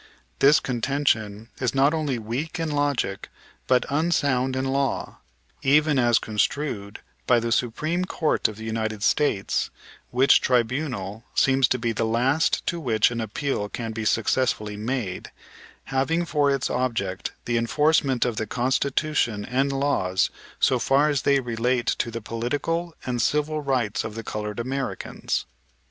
This contention is not only weak in logic but unsound in law, even as construed by the Supreme Court of the United States, which tribunal seems to be the last to which an appeal can be successfully made, having for its object the enforcement of the Constitution and laws so far as they relate to the political and civil rights of the colored Americans.